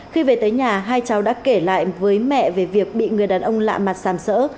khi về tới nhà hai cháu đã kể lại với mẹ về việc bị người đàn ông lạ mặt sàn sỡ